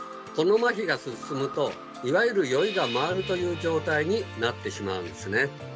そのまひが進むといわゆる酔いが回るという状態になってしまうんですね。